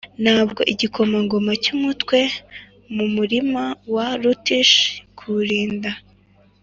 ntabwo igikomangoma cyumutwe, mumurima wa ruttish, kuri rind